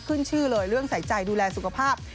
ขึ้นชื่อเลยเรื่องใส่ใจดูแลสุขภาพ